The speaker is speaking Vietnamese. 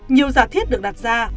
nhiều giả thiết được đặt ra